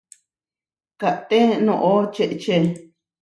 Kaʼté noʼó čečé!